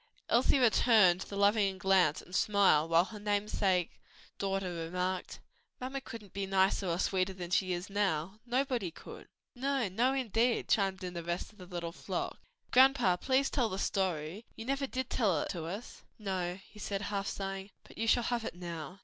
Elsie returned the loving glance and smile, while her namesake daughter remarked, "Mamma couldn't be nicer or sweeter than she is now; nobody could." "No, no! no indeed!" chimed in the rest of the little flock. "But grandpa please tell the story. You never did tell it to us." "No," he said, half sighing, "but you shall have it now."